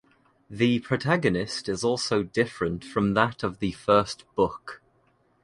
The protagonist is also different from that of the first book.